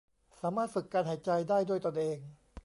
สามารถฝึกการหายใจได้ด้วยตนเอง